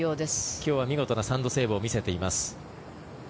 今日は見事なサンドセーブを見せています。